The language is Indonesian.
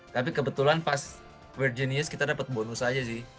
tapi kebetulan pas world genius kita dapat bonus aja sih